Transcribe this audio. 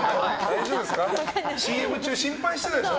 ＣＭ中、心配してたでしょ。